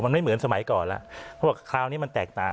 มันไม่เหมือนสมัยก่อนแล้วเขาบอกคราวนี้มันแตกต่าง